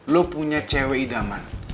lo punya cewek idaman